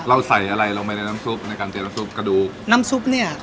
ใส่อะไรลงไปในน้ำซุปในการเจอน้ำซุปกระดูกน้ำซุปเนี้ย